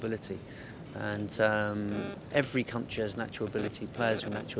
dan setiap negara memiliki kemampuan natural pemain memiliki kemampuan natural